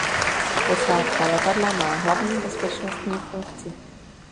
Posádka letadla má hlavní bezpečnostní funkci.